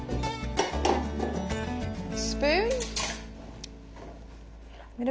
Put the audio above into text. スプーンで。